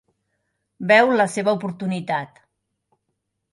Veu la seva oportunitat.